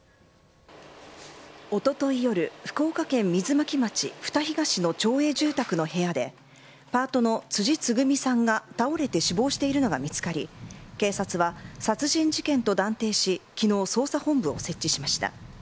おととい夜福岡県水巻町二東の町営住宅の部屋でパートの辻つぐみさんが倒れて死亡しているのが見つかり警察は殺人事件と断定し昨日、捜査本部を設置しました。